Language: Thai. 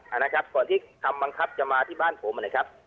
นะครับก่อนที่คำบังคับจะมาที่บ้านผมนะครับ